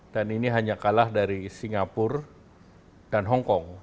dan ini hanya kalah dari singapura dan hongkong